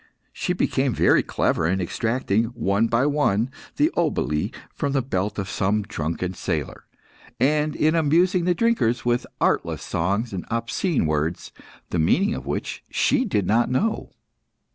She became very clever in extracting, one by one, the oboli from the belt of some drunken sailor, and in amusing the drinkers with artless songs and obscene words, the meaning of which she did not know.